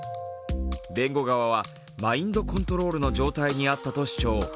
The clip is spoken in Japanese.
弁護側はマインドコントロールの状態にあったと主張。